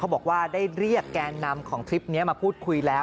บอกว่าได้เรียกแกนนำของคลิปนี้มาพูดคุยแล้ว